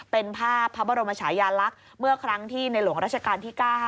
เป็นภาพพระบรมชายาลักษณ์เมื่อครั้งที่ในหลวงราชการที่๙